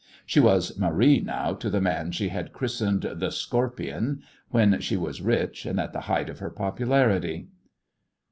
She was "Marie" now to the man she had christened "The Scorpion" when she was rich and at the height of her popularity.